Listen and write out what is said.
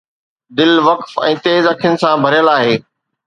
دل وقف ۽ تيز اکين سان ڀريل آهي